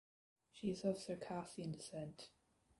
She is of Circassian descent.